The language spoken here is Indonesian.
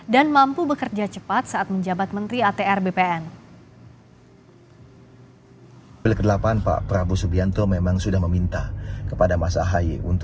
dan mampu bekerja cepat saat menjabat menteri atr bpn